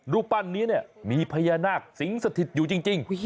รูปปั้นนี้เนี่ยมีพญานาคสิงสถิตอยู่จริง